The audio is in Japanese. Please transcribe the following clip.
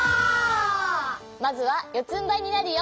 まずはよつんばいになるよ。